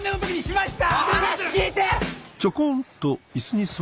話聞いて！